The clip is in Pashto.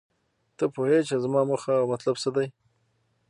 ته پوهیږې چې زما موخه او مطلب څه دی